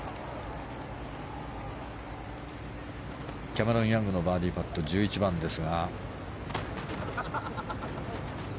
キャメロン・ヤングのバーディーパット、１１番です。